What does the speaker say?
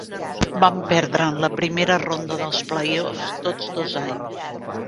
Van perdre en la primera ronda dels playoffs tots dos anys.